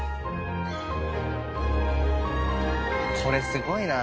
これすごいな。